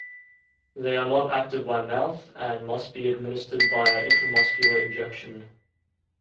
They are not active by mouth, and must be administered via intramuscular injection.